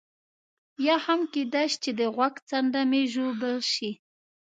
یا هم کېدای شي چې د غوږ څنډه مې ژوبل شي.